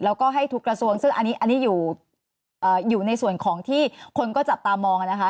แล้วก็ให้ทุกกระทรวงซึ่งอันนี้อยู่ในส่วนของที่คนก็จับตามองนะคะ